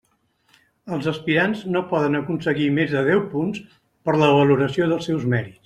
Els aspirants no poden aconseguir més de deu punts per la valoració dels seus mèrits.